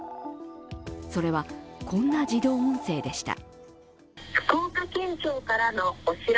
それは、こんな自動音声でした。